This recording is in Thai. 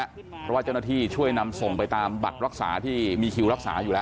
เพราะว่าเจ้าหน้าที่ช่วยนำส่งไปตามบัตรรักษาที่มีคิวรักษาอยู่แล้ว